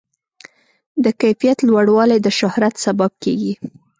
د کیفیت لوړوالی د شهرت سبب کېږي.